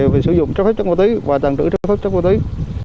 về sử dụng trái phép chất vô tí và tàn trữ trái phép chất vô tí